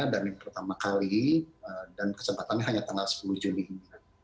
yang pertama kali dan kesempatannya hanya tanggal sepuluh juni ini